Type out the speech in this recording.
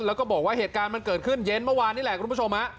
แล้วก็บอกว่าเหตุการณ์มันเกิดขึ้นเย็นเมื่อวานนี่แหละคุณผู้ชมฮะ